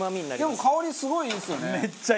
でも香りすごいいいですよね。